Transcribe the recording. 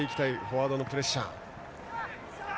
フォワードのプレッシャー。